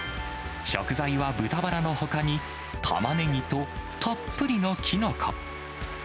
食材は豚バラのほかに、タマネギとたっぷりのキノコ。